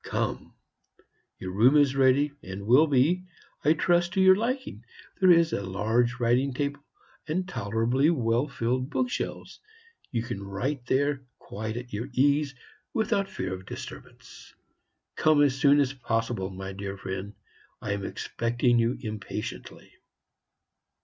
Come; your room is ready, and will be, I trust, to your liking. There is a large writing table and tolerably well filled book shelves; you can write there quite at your ease, without fear of disturbance. Come as soon as possible, my dear friend. I am expecting you impatiently."